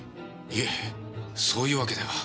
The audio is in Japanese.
いえそういうわけでは。